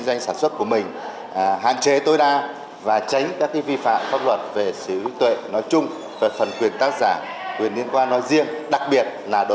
để tránh được cái rủi ro phải đối mặt với pháp luật về sự sửa đổi năm hai nghìn một mươi tám